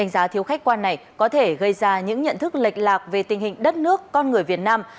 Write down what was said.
và thiếu khách quan này có thể gây ra những nhận thức lệch lạc về tình hình đất nước con người việt nam